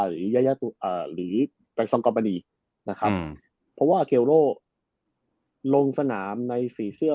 หรือยายาตุอ่าหรือนะครับเพราะว่าลงสนามในสีเสื้อ